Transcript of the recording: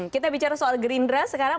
kita bicara soal gerindra sekarang